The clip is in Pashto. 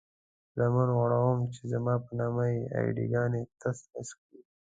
لمن غوړوم چې زما په نامه اې ډي ګانې تس نس کړئ.